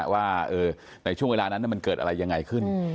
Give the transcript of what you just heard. ว่าในช่วงเวลานั้นมันเกิดอะไรยังไงขึ้น